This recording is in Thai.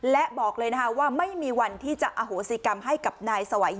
และบอกเลยนะคะว่าไม่มีวันที่จะอโหสิกรรมให้กับนายสวัย